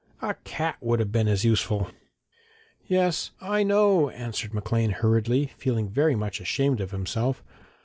A cat would have been as useful.' 'Yes, I know,' answered Maclean hurriedly, feeling very much ashamed of himself.